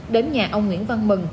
đến nhà ông nguyễn văn mừng